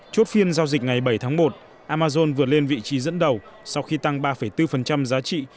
chốt phiên giao dịch ngày bảy tháng một amazon vượt lên vị trí dẫn đầu sau khi tăng ba bốn giá trị